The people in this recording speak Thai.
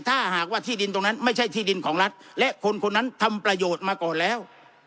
ถ้าหากว่าที่ดินตรงนั้นไม่ใช่ที่ดินของรัฐและคนคนนั้นทำประโยชน์มาก่อนแล้ว